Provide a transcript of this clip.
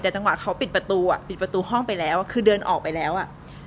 แต่จังหวะเขาปิดประตูอ่ะปิดประตูห้องไปแล้วคือเดินออกไปแล้วอ่ะ